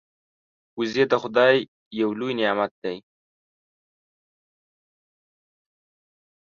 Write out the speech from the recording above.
وزې د خدای یو لوی نعمت دی